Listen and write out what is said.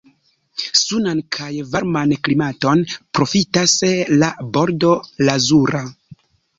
Sunan kaj varman klimaton profitas la Bordo Lazura.